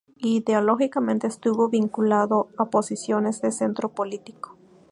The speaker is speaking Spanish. Ideológicamente estuvo vinculado a posiciones de centro político.